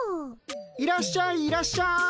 いらっしゃいいらっしゃい。